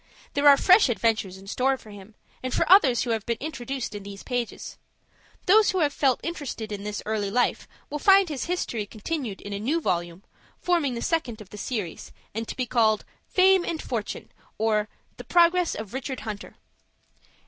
There are fresh adventures in store for him, and for others who have been introduced in these pages. Those who have felt interested in his early life will find his history continued in a new volume, forming the second of the series, to be called,— FAME AND FORTUNE; OR, THE PROGRESS OF RICHARD HUNTER.